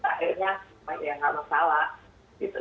akhirnya ya enggak masalah